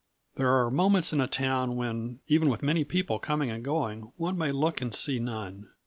There are moments in a town when, even with many people coming and going, one may look and see none.